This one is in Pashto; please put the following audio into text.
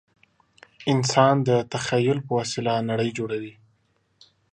انسان د تخیل په وسیله نړۍ جوړوي.